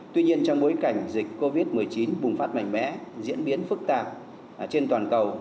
tuy nhiên trong bối cảnh dịch covid một mươi chín bùng phát mạnh mẽ diễn biến phức tạp trên toàn cầu